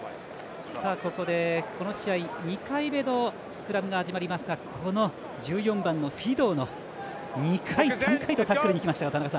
ここでこの試合２回目のスクラムが始まりますが１４番、フィドウの２回３回とタックルにきました。